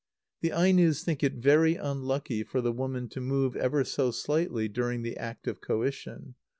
_ The Ainos think it very unlucky for the woman to move ever so slightly during the act of coition.